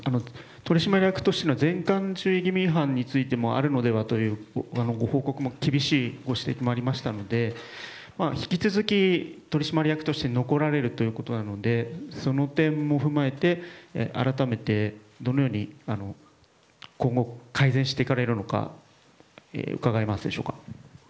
取締役としての善管注意義務違反もあるのではというご報告も厳しいご指摘もありましたので引き続き、取締役として残られるということでしたのでその点も踏まえて改めてどのように今後、改善していかれるのか伺えますでしょうか。